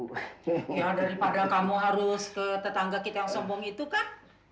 ya daripada kamu harus ke tetangga kita yang sombong itu kan